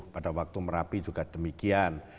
dua ribu sepuluh pada waktu merapi juga demikian